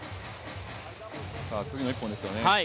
次の一本ですよね。